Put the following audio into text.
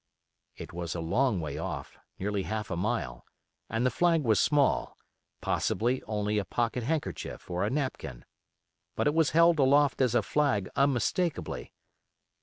It was a long way off, nearly half a mile, and the flag was small: possibly only a pocket handkerchief or a napkin; but it was held aloft as a flag unmistakably.